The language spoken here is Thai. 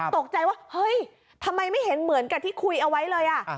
ตกใจว่าเฮ้ยทำไมไม่เห็นเหมือนกับที่คุยเอาไว้เลย